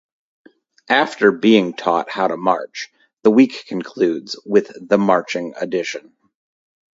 After being taught how to march, the week concludes with the marching audition.